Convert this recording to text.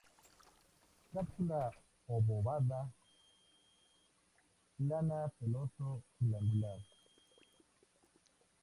Cápsula obovada plana, peloso-glandular.